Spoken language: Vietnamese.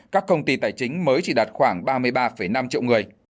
các công ty tài chính mới chỉ đạt khoảng ba mươi ba năm triệu người